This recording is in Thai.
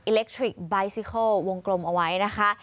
เล็กทริกไบท์ซิโคลวงกลมเอาไว้นะคะ